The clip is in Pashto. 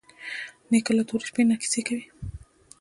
نیکه له تورې شپې نه کیسې کوي.